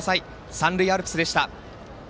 三塁アルプスでした。